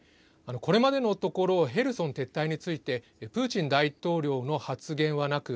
これまでのところヘルソン撤退についてプーチン大統領の発言はなく